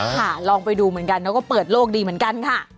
ค่ะลองไปดูเหมือนกันแล้วก็เปิดโลกดีเหมือนกันค่ะ